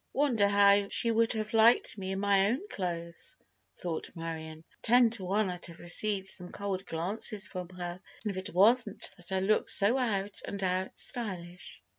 "Wonder how she would have liked me in my own clothes?" thought Marion. "Ten to one I'd have received some cold glances from her if it wasn't that I look so out and out stylish."